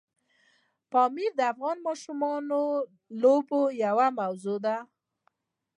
پامیر د افغان ماشومانو د لوبو یوه موضوع ده.